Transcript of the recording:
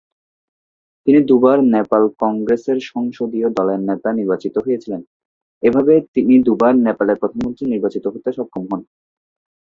তিনি দুবার নেপাল কংগ্রেসের সংসদীয় দলের নেতা নির্বাচিত হয়েছিলেন, এভাবে তিনি দুবার নেপালের প্রধানমন্ত্রী নির্বাচিত হতে সক্ষম হন।